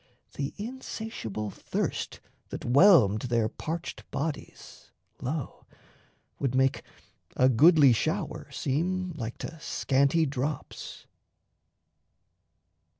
The insatiable thirst That whelmed their parched bodies, lo, would make A goodly shower seem like to scanty drops.